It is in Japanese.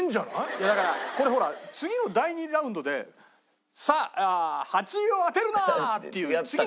いやだからこれほら次の第２ラウンドで「さあ８位を当てるな！」っていう次のコーナー。